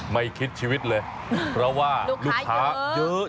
ไม่คิดชีวิตเลยเพราะว่าลูกค้าเยอะ